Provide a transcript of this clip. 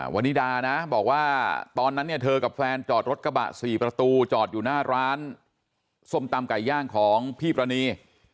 วันนี้ดานะบอกว่าตอนนั้นเนี่ยเธอกับแฟนจอดรถกระบะ๔ประตูจอดอยู่หน้าร้านส้มตำไก่ย่างของพี่ปรณี